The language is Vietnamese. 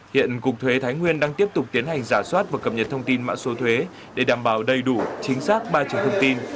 hiện cục thuế thái nguyên đang tiếp tục tiến hành giả soát và cập nhật thông tin mã số thuế để đảm bảo đầy đủ chính xác ba trường thông tin